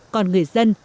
còn người dân